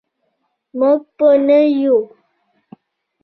موږ به نه یو.